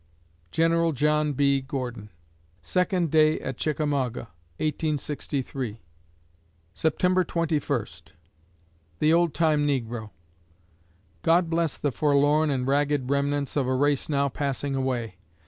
GENERAL JOHN B. GORDON Second day at Chickamauga, 1863 September Twenty First THE OLD TIME NEGRO God bless the forlorn and ragged remnants of a race now passing away.